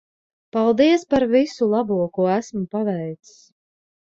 Paldies par visu labo ko esmu paveicis.